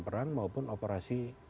perang maupun operasi